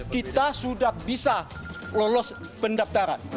kita sudah bisa lolos pendaftaran